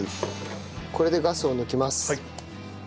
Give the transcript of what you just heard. これでガスを抜きます。